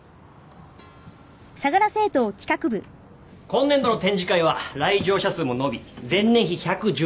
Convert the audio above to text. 今年度の展示会は来場者数も伸び前年比１１０％。